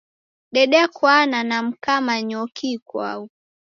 Dedekwana na mka Manyoki ikwau.